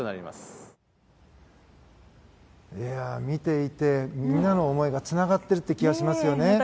見ていてみんなの思いがつながっている気がしますね。